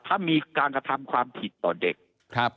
ถ้ามีการกระทำความผิดต่อเด็ก